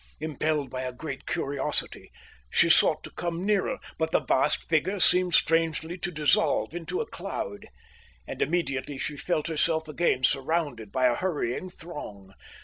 Impelled by a great curiosity, she sought to come nearer, but the vast figure seemed strangely to dissolve into a cloud; and immediately she felt herself again surrounded by a hurrying throng.